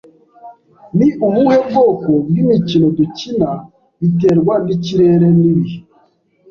Ni ubuhe bwoko bw'imikino dukina biterwa nikirere n'ibihe.